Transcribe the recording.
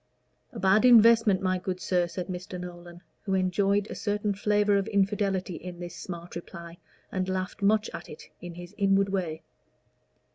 "A bad investment, my good sir," said Mr. Nolan, who enjoyed a certain flavor of infidelity in this smart reply, and laughed much at it in his inward way.